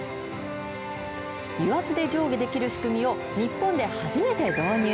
油圧で上下できる仕組みを日本で初めて導入。